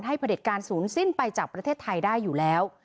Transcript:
ผลิตการศูนย์สิ้นไปจากประเทศไทยได้อยู่แล้ว